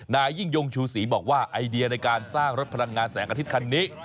นายยิ่งยงชูศรีบอกว่าไอเดียในการสร้างรถพลังงานแสงอาทิตย์คันนี้